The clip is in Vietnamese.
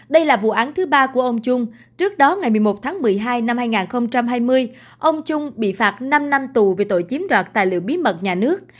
đây là vụ án thứ ba của ông trung trước đó ngày một mươi một tháng một mươi hai năm hai nghìn hai mươi ông trung bị phạt năm năm tù về tội chiếm đoạt tài liệu bí mật nhà nước